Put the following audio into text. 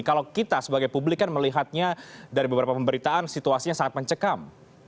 kalau kita sebagai publik kan melihatnya dari beberapa pemberitaan situasinya sangat mencekam